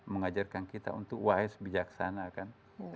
mengajarkan kita untuk wise bijaksana kan